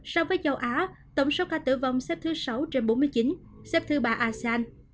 so với châu á tổng số ca tử vong xếp thứ sáu trên bốn mươi chín xếp thứ ba asean